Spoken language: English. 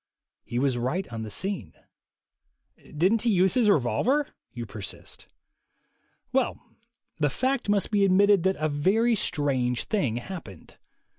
He was right on the scene. "Didn't he use his revolver?" you persist. Well, the fact must be admitted that a very strange thing happened.